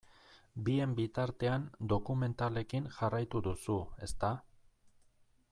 Bien bitartean dokumentalekin jarraitu duzu, ezta?